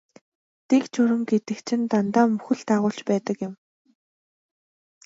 Дэг журам гэдэг чинь дандаа мөхөл дагуулж байдаг юм.